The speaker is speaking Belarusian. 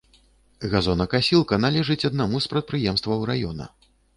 Газонакасілка належыць аднаму з прадпрыемстваў раёна.